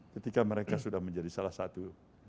ketika mereka sudah menjadi salah satu